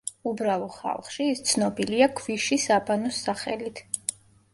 უბრალო ხალხში ის ცნობილია „ქვიშის აბანოს“ სახელით.